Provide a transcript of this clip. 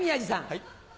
はい。